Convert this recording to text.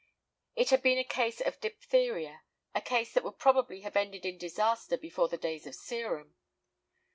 It had been a case of diphtheria, a case that would probably have ended in disaster before the days of serum.